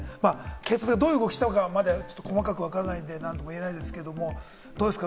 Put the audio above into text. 警察がどういう動きをしたのかまで、細かくわからないのであれなんですけれども、どうですか？